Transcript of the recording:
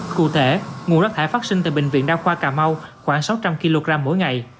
cụ thể nguồn rác thải phát sinh tại bệnh viện đa khoa cà mau khoảng sáu trăm linh kg mỗi ngày